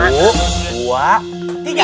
kepenang aktif dulu an saya